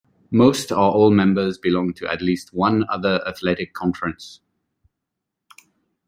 Most or all members belong to at least one other athletic conference.